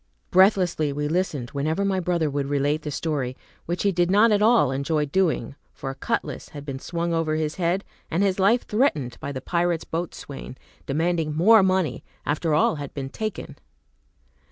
Breathlessly we listened whenever my brother would relate the story, which he did not at all enjoy doing, for a cutlass had been swung over his head, and his life threatened by the pirate's boatswain, demanding more money, after all had been taken.